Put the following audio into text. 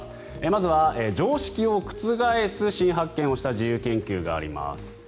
まずは常識を覆す新発見をした自由研究があります。